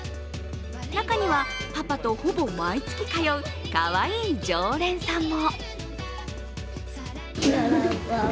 中には、パパとほぼ毎月通うかわいい常連さんも。